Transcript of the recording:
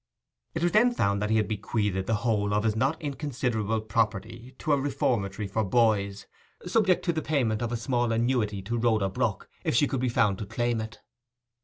It was then found that he had bequeathed the whole of his not inconsiderable property to a reformatory for boys, subject to the payment of a small annuity to Rhoda Brook, if she could be found to claim it.